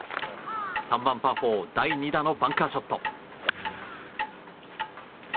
３番、パー４第２打のバンカーショット。